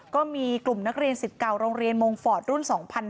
ก็มีกลุ่มนักเรียน๑๙โรงเรียนมงฟอร์ตรุ่น๒๕๐๘